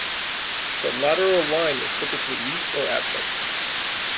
The lateral line is typically weak or absent.